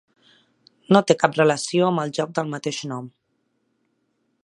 No té cap relació amb el joc del mateix nom.